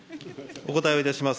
お答えをいたします。